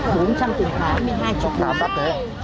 bốn trăm linh tỉnh kháu bốn trăm hai mươi đồng